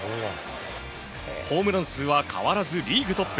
ホームラン数は変わらずリーグトップ。